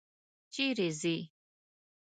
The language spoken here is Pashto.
چېرې ځې؟